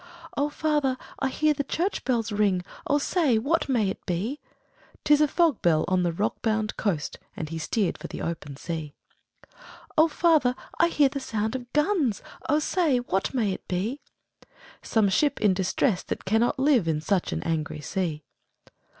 'O father! I hear the church bells ring, O say, what may it be?' ''Tis a fog bell, on a rock bound coast!' And he steer'd for the open sea. 'O father! I hear the sound of guns, O say, what may it be?' 'Some ship in distress that cannot live In such an angry sea!'